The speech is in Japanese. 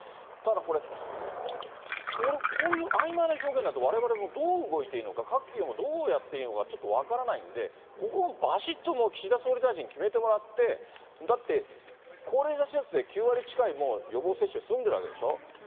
ただこれ、こういうあいまいな表現だと、われわれもどう動いていいのか、各企業もどうやっていいのか、ちょっと分からないんで、ここ、ばしっともう、岸田総理大臣、決めてもらって、だって、高齢者施設で９割近い予防接種済んでるわけでしょ。